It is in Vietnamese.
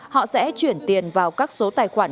họ sẽ chuyển tiền vào các số tài khoản